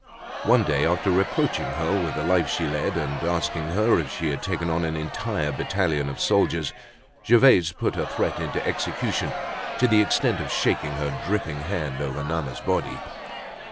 One day after reproaching her with the life she led and asking her if she had taken on an entire battalion of soldiers, Gervaise put her threat into execution to the extent of shaking her dripping hand over Nana's body.